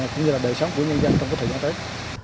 cũng như là đề sống của người dân trong các thời gian tới